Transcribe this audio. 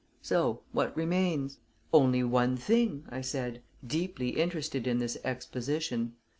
So what remains?" "Only one thing," I said, deeply interested in this exposition.